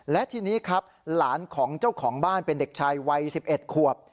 และทีนี้ครับหลานของเจ้าของบ้านเป็นเด็กชายวัย๑๑ขวบ